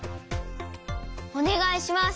おねがいします！